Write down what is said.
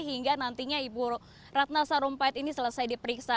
hingga nantinya ibu ratna sarumpait ini selesai diperiksa